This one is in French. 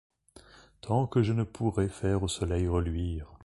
Tant que je ne pourrais faire au soleil reluire